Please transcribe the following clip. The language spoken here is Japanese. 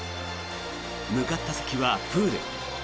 向かった先はプール。